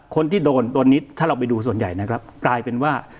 คนที่โดนตัวนี้ถ้าเราไปดูส่วนใหญ่นะครับกลายเป็นว่า